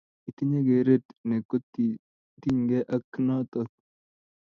Itinye keret ne kotinykey ak notok